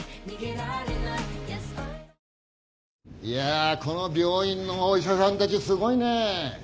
いやこの病院のお医者さんたちすごいね。